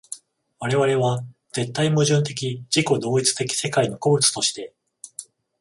我々は絶対矛盾的自己同一的世界の個物として、